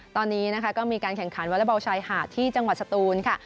ตอนนี้ก็มีการแข่งขันวัลบัวชายหาดที่จังหวัดสตูนค่ะ